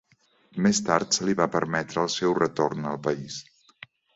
Més tard se li va permetre el seu retorn al país.